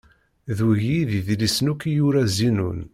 D wigi i d idlisen akk yura Zinun.